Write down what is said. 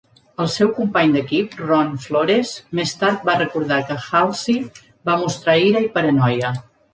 El seu company d'equip, Ron Flores, més tard va recordar que Halsey va mostrar ira i paranoia.